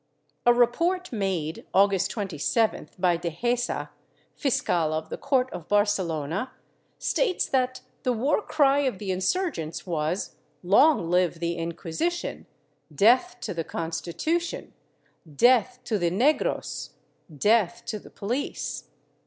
A report Chap. I] RISING IN CATALONIA 457 made, August 27th, by Dehesa, fiscal of the court of Barcelona, states that the \Yar cry of the insurgents was ''Long live the Inquisition! Death to the Constitution! Death to tlie negros! Death to the police